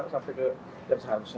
sampai ke yang seharusnya